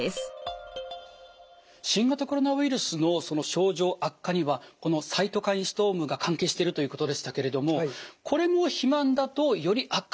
新型コロナウイルスの症状悪化にはこのサイトカインストームが関係しているということでしたけれどもこれも肥満だとより悪化しやすいということになるんでしょうか？